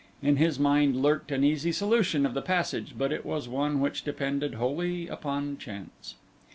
In his mind lurked an easy solution of the passage but it was one which depended wholly upon chance.